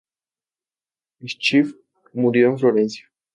Schiff murió en Florencia.